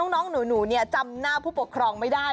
น้องหนูจำหน้าผู้ปกครองไม่ได้